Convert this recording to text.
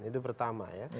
itu pertama ya